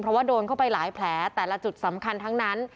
เพราะว่าโดนเข้าไปหลายแผลแต่ละจุดสำคัญทั้งนั้น